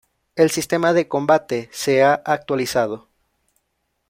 El sistema de combate se ha actualizado.